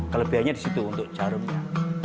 kelebihannya di situ untuk jarumnya